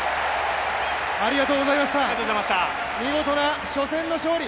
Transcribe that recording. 見事な初戦の勝利。